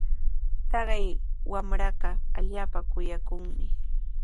Taqay wamraqa allaapa kuyakuqmi.